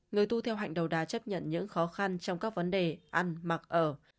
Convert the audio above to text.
người tu theo hành đầu đà chấp nhận những khó khăn trong các vấn đề ăn mặc ở